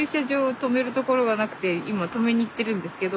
止めるところがなくて今止めに行ってるんですけど。